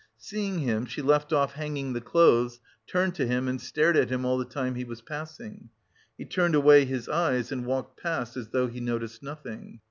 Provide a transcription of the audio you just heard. Seeing him, she left off hanging the clothes, turned to him and stared at him all the time he was passing. He turned away his eyes, and walked past as though he noticed nothing.